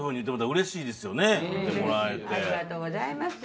うれしいありがとうございます。